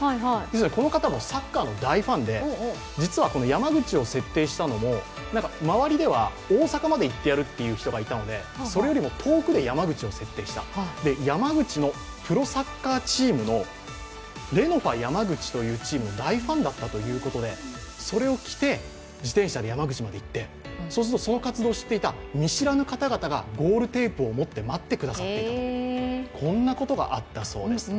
この方もサッカーの大ファンで山口を設定したのも周りでは大阪まで行ってやるという人がいたので、それよりも遠くの山口を設定した山口のプロサッカーチームの大ファンだったということでそれを着て、自転車で行ってその活動を知っていた見知らぬ方々がゴールテープを持って待ってくださっていた、こんなことがあったそうです。